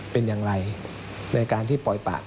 เป็นอย่างไรในการที่ปล่อยปาก